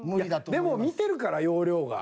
でも見てるから要領が。